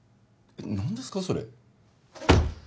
何ですかそれ？